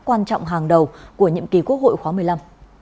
quan trọng hàng đầu của nhiệm kỳ quốc hội khóa một mươi năm